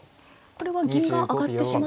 これは銀が上がってしま。